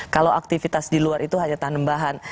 kalau aktivitas di luar itu hanya tanam bahan